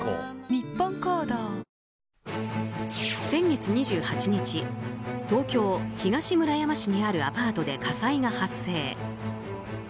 先月２８日東京・東村山市にあるアパートで火災が発生。